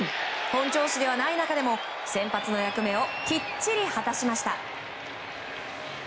本調子ではない中でも先発の役目をきっちり果たしました。